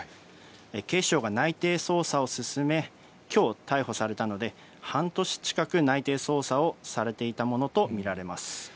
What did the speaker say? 警視庁が内偵捜査を進め、きょう逮捕されたので、半年近く内偵捜査をされていたものと見られます。